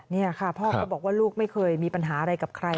นี่ค่ะพ่อก็บอกว่าลูกไม่เคยมีปัญหาอะไรกับใคร